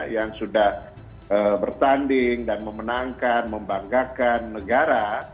yang sudah bertanding dan memenangkan membanggakan negara